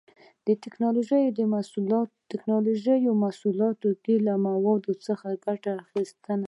د ټېکنالوجۍ محصولاتو کې له موادو څخه ګټه اخیستنه